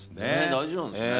大事なんですね。